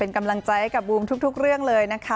เป็นกำลังใจกับบูมทุกเรื่องเลยนะคะ